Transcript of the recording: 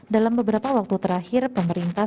dalam beberapa waktu terakhir pemerintah